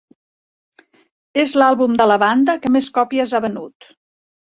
És l'àlbum de la banda que més còpies ha venut.